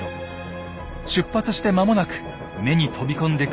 出発して間もなく目に飛び込んでくるのは海です。